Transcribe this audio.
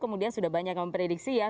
kemudian sudah banyak yang memprediksi ya